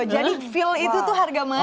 jadi feel itu tuh harga mati